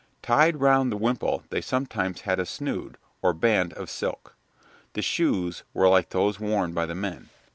Tied round the wimple they sometimes had a snood, or band of silk. The shoes were like those worn by the men.